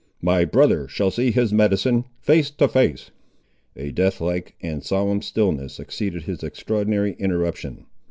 My brother shall see his medicine, face to face!" A death like and solemn stillness succeeded this extraordinary interruption.